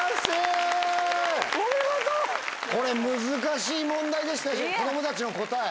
これ難しい問題でしたし子供たちの答え。